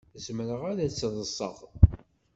Zemreɣ ad tt-ḍseɣ?